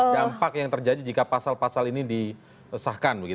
dampak yang terjadi jika pasal pasal ini disahkan